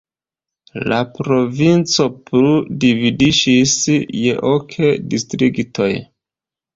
La provinco plu dividiĝis je ok distriktoj.